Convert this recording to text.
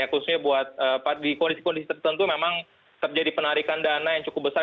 khususnya buat di kondisi kondisi tertentu memang terjadi penarikan dana yang cukup besar